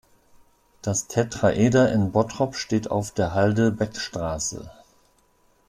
Das Tetraeder in Bottrop steht auf der Halde Beckstraße.